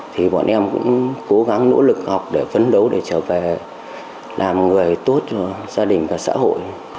thì bọn em cũng cố gắng nỗ lực học để phấn đấu để trở về làm người tốt cho gia đình và xã hội